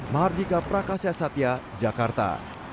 mahardika prakasya satya jakarta